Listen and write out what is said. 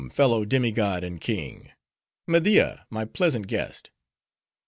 fellow demi god, and king! Media, my pleasant guest!"